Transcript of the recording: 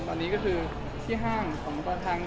วันนี้ก็คือที่ห้าง